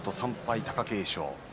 貴景勝